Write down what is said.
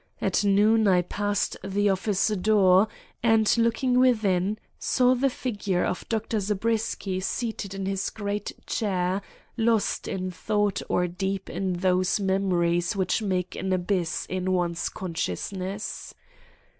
At noon I passed the office door, and looking within, saw the figure of Dr. Zabriskie seated in his great chair, lost in thought or deep in those memories which make an abyss in one's consciousness.